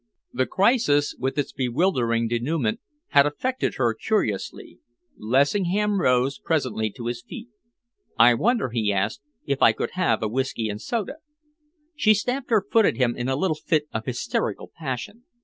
The crisis, with its bewildering denouement, had affected her curiously. Lessingham rose presently to his feet. "I wonder," he asked, "if I could have a whisky and soda?" She stamped her foot at him in a little fit of hysterical passion.